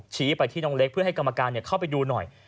ชี้ไปที่น้องเล็กเพื่อให้กรรมการเข้าไปดูหน่อย